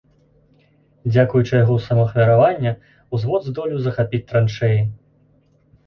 Дзякуючы яго самаахвяравання ўзвод здолеў захапіць траншэі.